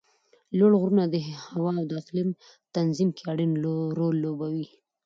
لوړ غرونه د هوا او اقلیم تنظیم کې اړین رول لوبوي